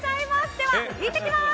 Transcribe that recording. では、いってきます！